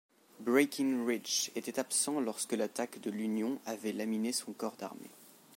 Breckinridge était absent lorsque l'attaque de l'Union avait laminé son corps d'armée.